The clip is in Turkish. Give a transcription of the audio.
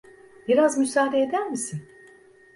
Biraz müsaade eder misin?